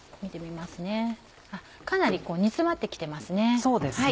かなり煮詰まって来てますね。